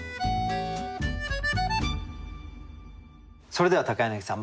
それでは柳さん